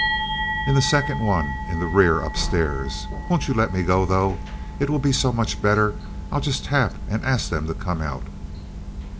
"In the second one in the rear up stairs. Won't you let me go, though? It will be so much better. I'll just tap and ask them to come out."